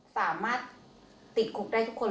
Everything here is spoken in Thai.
สามารถติดคุกได้ทุกคน